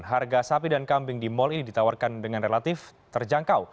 harga sapi dan kambing di mal ini ditawarkan dengan relatif terjangkau